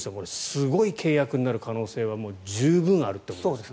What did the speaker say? すごい契約になる可能性は十分あるということですね。